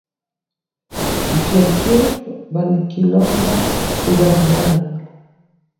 Kifiakio balikilomba kuba jirani